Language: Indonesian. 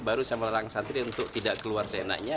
baru saya melarang santri untuk tidak keluar seenaknya